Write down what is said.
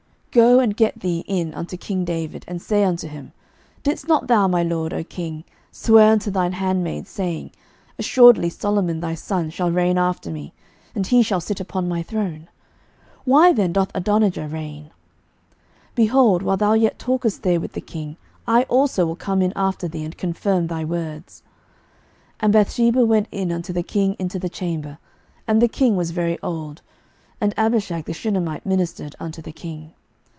11:001:013 Go and get thee in unto king David, and say unto him, Didst not thou, my lord, O king, swear unto thine handmaid, saying, Assuredly Solomon thy son shall reign after me, and he shall sit upon my throne? why then doth Adonijah reign? 11:001:014 Behold, while thou yet talkest there with the king, I also will come in after thee, and confirm thy words. 11:001:015 And Bathsheba went in unto the king into the chamber: and the king was very old; and Abishag the Shunammite ministered unto the king.